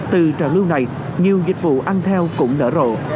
từ trào lưu này nhiều dịch vụ ăn theo cũng nở rộ